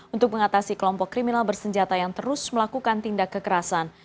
untuk mengatasi kelompok kriminal bersenjata yang terus melakukan tindak kekerasan